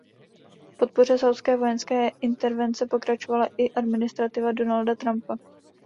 V podpoře saúdské vojenské intervence pokračovala i administrativa Donalda Trumpa.